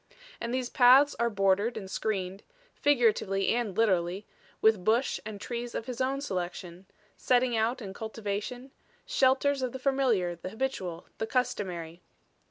And these paths are bordered and screened, figuratively and literally, with bush and trees of his own selection, setting out and cultivation shelters of the familiar, the habitual, the customary.